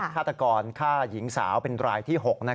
ฆาตกรฆ่าหญิงสาวเป็นรายที่๖